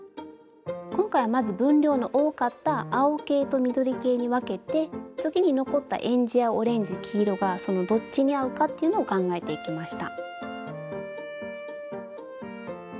今回はまず分量の多かった青系と緑系に分けて次に残ったえんじやオレンジ黄色がそのどっちに合うかっていうのを考えていきました。